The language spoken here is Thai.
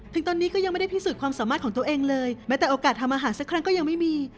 ถึงตอนนี้ก็ยังไม่ได้พิสูจน์ความสามารถของตัวเองเลยแม้แต่โอกาสทำอาหารสักครั้งก็ยังไม่มี